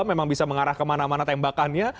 memang bisa mengarah kemana mana tembakannya